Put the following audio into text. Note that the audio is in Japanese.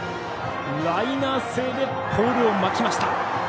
ライナー性でポールを巻きました。